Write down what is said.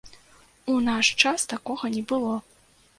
У наш час такога не было!